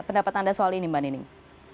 pendapat anda soal ini mbak nining